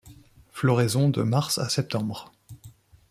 Floraison de mars à septembre.